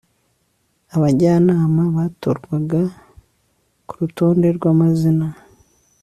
abajyanama batorwaga ku rutonde rw'amazina